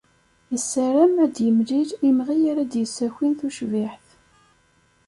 Yessaram ad d-yemlil imɣi ara d-yessakin tucbiḥt.